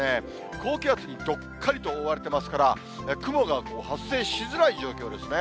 高気圧にどっかりと覆われてますから、雲が発生しづらい状況ですね。